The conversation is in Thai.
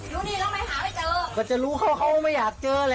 อยู่นี่แล้วไม่หาไม่เจอก็จะรู้เขาเขาไม่อยากเจอแหละ